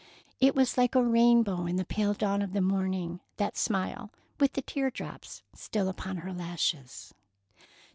It was like a rainbow in the pale dawn of the morning, that smile, with the tear drops still upon her lashes.